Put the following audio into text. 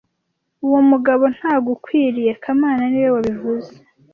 Uwo mugabo ntagukwiriye kamana niwe wabivuze